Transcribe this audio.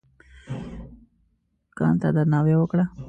کان ته درناوی وکړه.